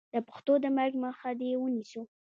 د پښتو د مرګ مخه دې ونیسو.